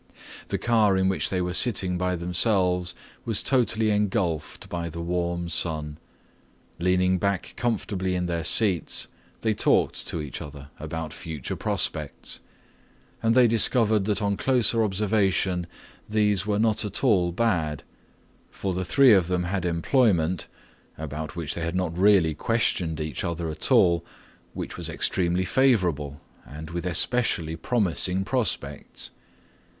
The car in which they were sitting by themselves was totally engulfed by the warm sun. Leaning back comfortably in their seats, they talked to each other about future prospects, and they discovered that on closer observation these were not at all bad, for the three of them had employment, about which they had not really questioned each other at all, which was extremely favourable and with especially promising prospects.